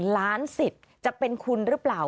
ล้านสิทธิ์จะเป็นคุณหรือเปล่า